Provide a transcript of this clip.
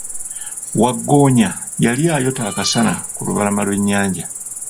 Waggoonya yali ayota akasana ku lubalama lwe nyanja.